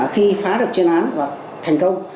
khi phá được chuyên án và thành công